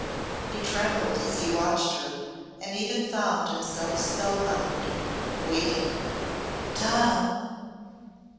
He trembled as he watched her and even found himself spellbound waiting. "Donal!